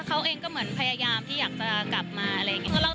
เขาเองก็เหมือนพยายามที่อยากจะกลับมาอะไรอย่างนี้